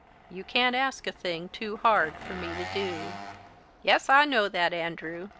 You can't ask a thing too hard for me to do." "Yes, I know that, Andrew.